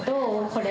これ。